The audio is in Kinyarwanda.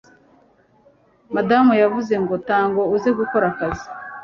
madamu yavuze ngo ntago uzi gukora akazi